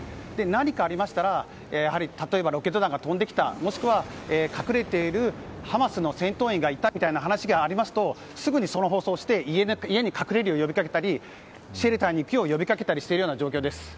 何かありましたら例えばロケット弾が飛んできたもしくは、隠れているハマスの戦闘員がいたみたいな話がありますとすぐにその放送をして家に隠れるよう呼びかけたりシェルターに行くよう呼びかけたりしているような状況です。